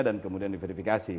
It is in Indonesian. dan kemudian diverifikasi